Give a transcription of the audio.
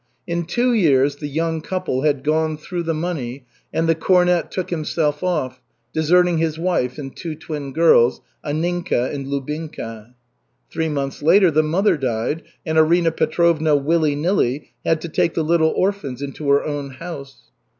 In two years the young couple had gone through the money, and the cornet took himself off, deserting his wife and two twin girls, Anninka and Lubinka. Three months later the mother died, and Arina Petrovna, willy nilly, had to take the little orphans into her own house.